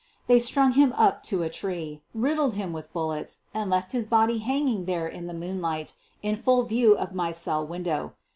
They strung him up to a tree, riddled him with bullets, and left his body hanging there in the moon light in full view of my cell window.